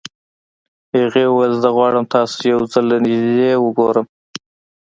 هغې وويل زه غواړم تاسو يو ځل له نږدې وګورم.